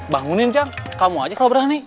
bangunin jang kamu aja kalau berani